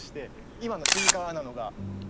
今の静かなのが。